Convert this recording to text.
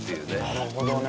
なるほどね。